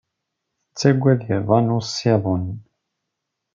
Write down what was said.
Tettaggad iḍan ussiḍen.